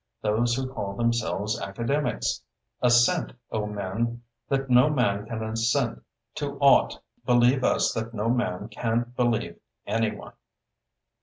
—those who call themselves Academics? _Assent, O men, that no man can assent to aught; believe us that no man can believe any one.